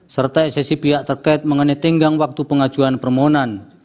serta eksesi pihak terkait mengenai tenggang waktu pengajuan permohonan